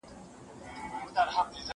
زه مخکي کالي وچولي وو!!